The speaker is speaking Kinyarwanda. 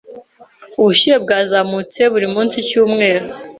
Ubushyuhe bwazamutse buri munsi icyumweru.